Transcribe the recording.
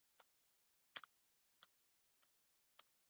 重齿泡花树为清风藤科泡花树属下的一个种。